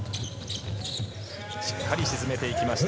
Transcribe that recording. しっかり沈めていきました。